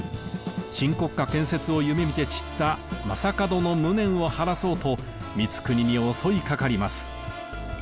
新国家建設を夢みて散った将門の無念を晴らそうと光國に襲いかかります。